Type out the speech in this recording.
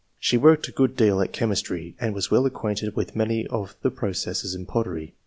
She worked a good deal at chemistry, and was well acquainted with many of the processes in pottery.